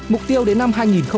mục tiêu đến năm hai nghìn hai mươi